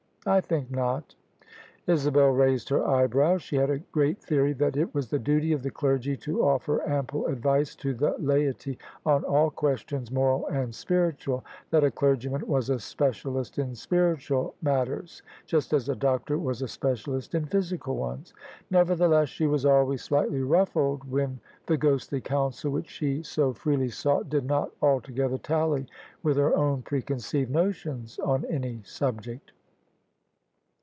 " I think not." Isabel raised her eyebrows. She had a great theory that It was the duty of the clergy to offer ample advice to the laity on all questions moral and spiritual : that a clergyman was a specialist in spiritual matters, just as a doctor was a specialist in physical ones: nevertheless she was always slightly ruffled when the ghostly counsel, which she so freely THE SUBJECTION sought, did not altogether tally with her own preconceived notions on any subject.